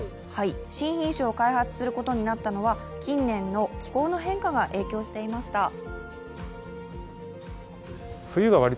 新品種を開発することになったのは、近年の気候の変化が影響していました。